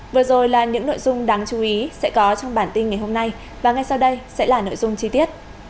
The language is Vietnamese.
vừa rồi là những nội dung đáng chú ý sẽ có trong bản tin ngày hôm nay và ngay sau đây sẽ là nội dung chi tiết